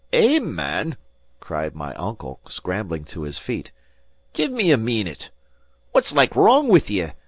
"Eh, man," cried my uncle, scrambling to his feet, "give me a meenit! What's like wrong with ye?